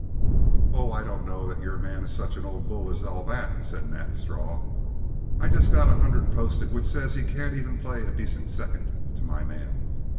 "Oh, I don't know that your man is such an Ole Bull as all that," said Nat Straw. "I just got a hundred posted which says he can't even play a decent second to my man.